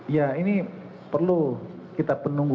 ya ini perlu kita penunggu